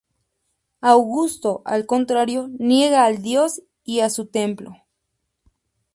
Augusto, al contrario, niega al dios y a su templo.